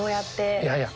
いやいや。